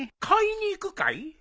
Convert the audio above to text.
買いに行くかい？